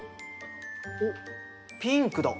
おっピンクだ！